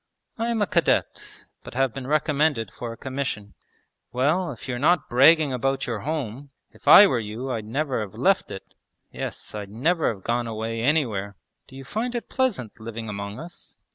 'I am a cadet, but have been recommended for a commission.' 'Well, if you're not bragging about your home, if I were you I'd never have left it! Yes, I'd never have gone away anywhere. Do you find it pleasant living among us?'